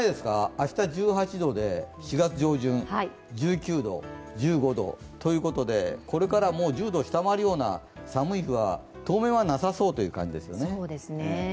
明日１８度で４月上旬、１９度、１５度ということで、これから１０度を下回るような寒い日は当面はなさそうという感じですよね。